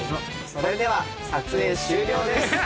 それでは撮影終了です。